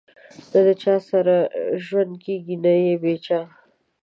نه د چا سره ژوند کېږي نه بې چا